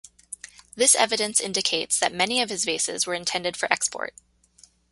This evidence indicates that many of his vases were intended for export.